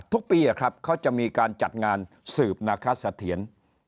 ทุกปีเขาจะมีการจัดงานสืบนาคสะเทียน